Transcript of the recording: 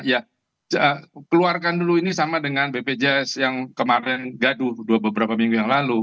ya keluarkan dulu ini sama dengan bpjs yang kemarin gaduh beberapa minggu yang lalu